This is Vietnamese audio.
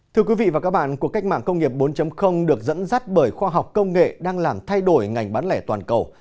thưa quý vị và các bạn cuộc cách mạng công nghiệp bốn được dẫn dắt bởi khoa học công nghệ đang làm thay đổi ngành bán lẻ toàn cầu